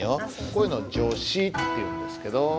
こういうのを助詞っていうんですけど。